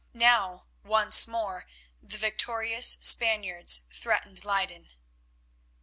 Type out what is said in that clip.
Now once more the victorious Spaniards threatened Leyden.